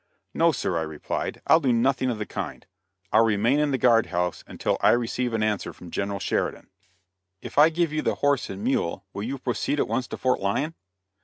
"No, sir;" I replied, "I'll do nothing of the kind. I'll remain in the guard house until I receive an answer from General Sheridan." "If I give you the horse and mule will you proceed at once to Fort Lyon?"